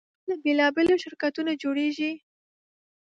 بوتل له بېلابېلو شرکتونو جوړېږي.